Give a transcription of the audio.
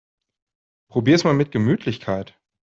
Probier's mal mit Gemütlichkeit!